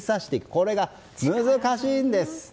これが難しいんです。